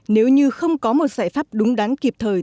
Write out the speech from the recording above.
nếu như không có một giải pháp đúng đắn kịp thời